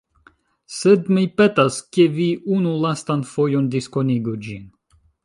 Sed, mi petas, ke vi unu lastan fojon diskonigu ĝin